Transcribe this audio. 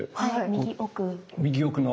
右奥の？